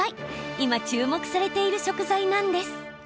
今注目されている食材なんです。